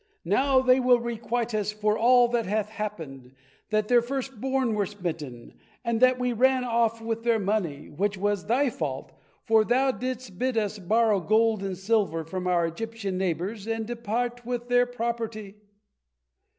Now they will requite us for all that hath happened that their first born were smitten, and that we ran off with their money, which was thy fault, for thou didst bid up borrow gold and silver from our Egyptian neighbors and depart with their property."